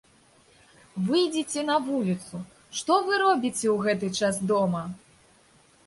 Выйдзіце на вуліцу, што вы робіце ў гэты час дома?